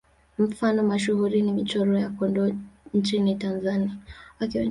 Mfano mashuhuri ni Michoro ya Kondoa nchini Tanzania.